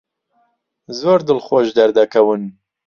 زۆر دڵخۆش دەردەکەون.